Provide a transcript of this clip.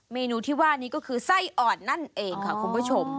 เมนูที่ว่านี้ก็คือไส้อ่อนนั่นเองค่ะคุณผู้ชม